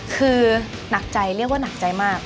คือหนักใจเรียกว่าหนักใจมาก